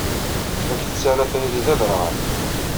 La k-tettara tayri d aderɣal.